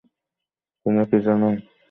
তোমরা কি জান, এ দুটির মাঝে দূরত্ব কতটুকু?